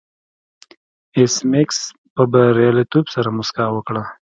ایس میکس په بریالیتوب سره موسکا وکړه